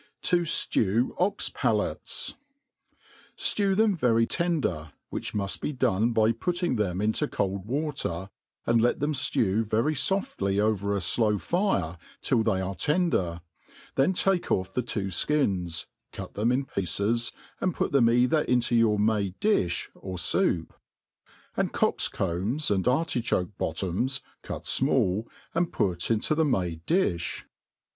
C\ T0 M f HE ART OF COOKERY STEW them vAy tender ; which mufl be done by put^ng them into cold water^ and let them ftew very foftly over ft flowiire till they are tender, then take off the two fKJns, cut them in pieces, and put them either joto yeur Enade diXb or ibup ; and cockVcombs and artichoke bottoms, cut Anally and put into the made difli.